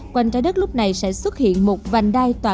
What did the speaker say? quanh trái đất lúc này sẽ xảy ra một lần nữa